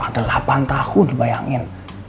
ada delapan tahun dibayangin